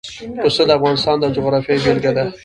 پسه د افغانستان د جغرافیې بېلګه ده.